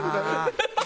ハハハハ！